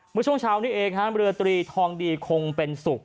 มื้อช่วงเช้านี้เองเมื่อเรือตรีทองดีคงเป็นศุกร์